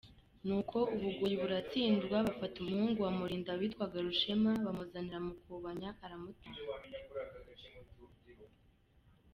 Nuko u Bugoyi buratsindwa ; bafata umuhungu wa Mulinda witwaga Rushema, bamuzanira Mukobanya aramutanga.